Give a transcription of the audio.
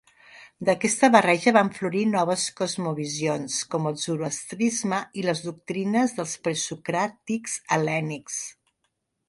D'aquesta barreja van florir noves cosmovisions, com el zoroastrisme i les doctrines dels presocràtics hel·lènics.